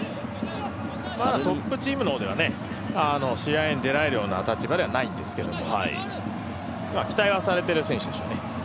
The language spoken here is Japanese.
トップチームの方では試合に出られるような立場ではないですけど期待はされている選手でしょうね。